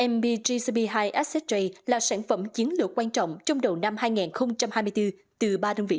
mp jcb hai accesstrade là sản phẩm chiến lược quan trọng trong đầu năm hai nghìn hai mươi bốn từ ba đơn vị lớn